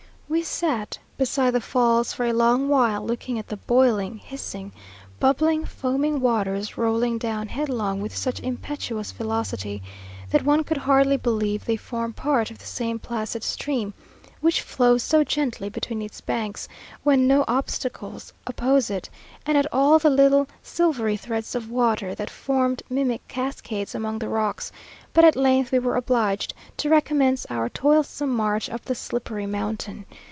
We sat beside the falls for a long while, looking at the boiling, hissing, bubbling, foaming waters, rolling down headlong with such impetuous velocity that one could hardly believe they form part of the same placid stream, which flows so gently between its banks, when no obstacles oppose it; and at all the little silvery threads of water, that formed mimic cascades among the rocks; but at length we were obliged to recommence our toilsome march up the slippery mountain.